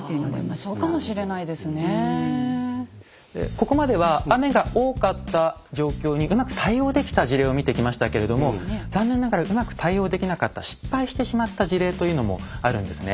ここまでは雨が多かった状況にうまく対応できた事例を見てきましたけれども残念ながらうまく対応できなかった失敗してしまった事例というのもあるんですね。